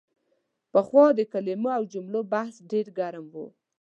پخوا د کلمو او جملو بحث ډېر ګرم و.